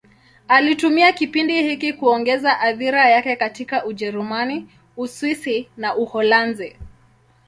Alitumia kipindi hiki kuongeza athira yake katika Ujerumani, Uswisi na Uholanzi.